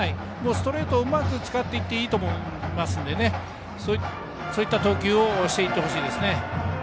ストレートをうまく使っていっていいと思いますのでそういった投球をしていってほしいですね。